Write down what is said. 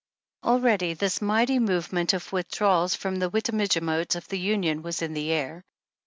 ^ Already this mighty movement of withdrawals from the Witenagemote of the Union was in the air.